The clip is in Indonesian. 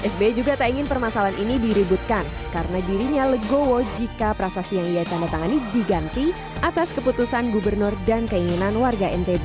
sbi juga tak ingin permasalahan ini diributkan karena dirinya legowo jika prasasti yang ia tanda tangani diganti atas keputusan gubernur dan keinginan warga ntb